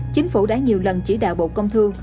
chính phủ đã nhiều lần chỉ đạo bộ công thương